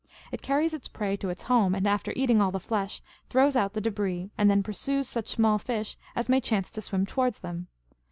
It carries its prey to its home, and after eating all the flesh, throws out the debris, and then pursues such small fish as may chance to swim towards them.